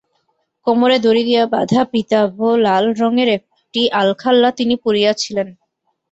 কোমরে দড়ি দিয়া বাঁধা পীতাভ লাল রঙের একটি আলখাল্লা তিনি পরিয়াছিলেন।